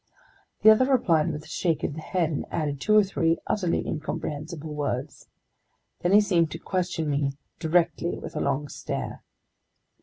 The other replied with a shake of the head and added two or three utterly incomprehensible words. Then he seemed to question me directly with a long stare.